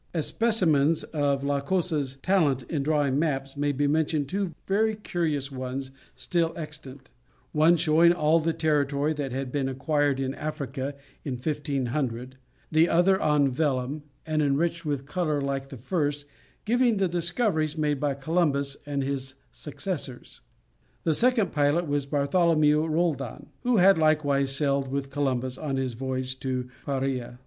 As specimens of La Cosa's talent in drawing maps may be mentioned two very curious ones still extant; one showing all the territory that had been acquired in Africa in 1500, the other on vellum, and enriched with colour like the first, giving the discoveries made by Columbus and his successors. The second pilot was Bartholomew Roldan, who had likewise sailed with Columbus on his voyage to Paria.